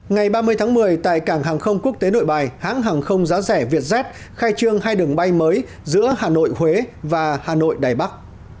ngày ba mươi tháng một mươi tại cảng hàng không quốc tế nội bài hãng hàng không giá rẻ vietjet khai trương hai đường bay mới giữa hà nội huế và hà nội đài bắc